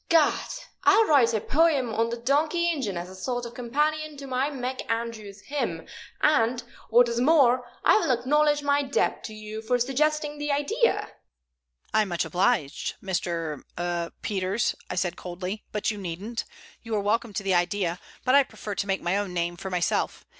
Gad! I'll write a poem on the donkey engine as a sort of companion to my McAndrews Hymn, and, what is more, I will acknowledge my debt to you for suggesting the idea." "I'm much obliged, Mr. er Peters," said I, coldly, "but you needn't. You are welcome to the idea, but I prefer to make my own name for myself.